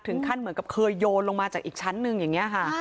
ถึงขั้นเหมือนกับเคยโยนลงมาจากอีกชั้นหนึ่งอย่างนี้ค่ะ